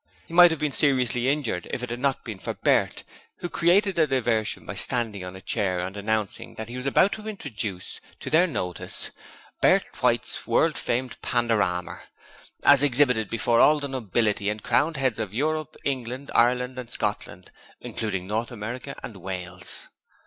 He might have been seriously injured if it had not been for Bert, who created a diversion by standing on a chair and announcing that he was about to introduce to their notice 'Bert White's World famed Pandorama' as exhibited before all the nobility and crowned heads of Europe, England, Ireland and Scotland, including North America and Wales.